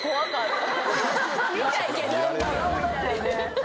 見ちゃいけない。